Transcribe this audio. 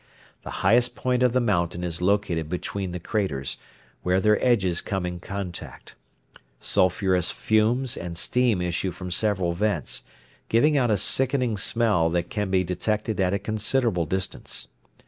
The highest point of the mountain is located between the craters, where their edges come in contact. Sulphurous fumes and steam issue from several vents, giving out a sickening smell that can be detected at a considerable distance.